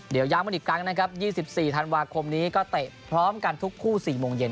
เดี๋ยวย้ำกันอีกครั้งนะครับ๒๔ธันวาคมนี้ก็เตะพร้อมกันทุกคู่๔โมงเย็น